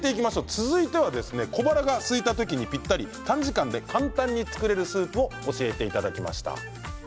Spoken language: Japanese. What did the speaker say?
続いては小腹がすいた時にぴったり短時間で簡単に作れるスープを教えていただきました。